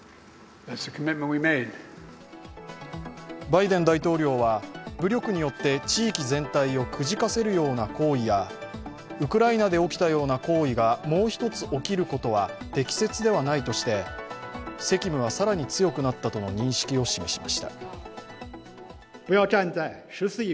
バイデン大統領は武力によって地域全体をくじかせるような行為やウクライナで起きたような行為がもう一つ起きることは適切ではないとして、責務は更に強くなったとの認識を示しました。